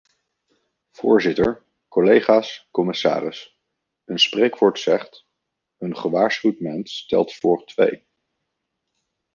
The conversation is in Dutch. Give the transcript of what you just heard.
Voorzitter, collega's, commissaris, een spreekwoord zegt: een gewaarschuwd mens telt voor twee.